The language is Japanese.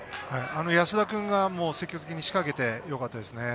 安田君が積極的に仕掛けてよかったですね。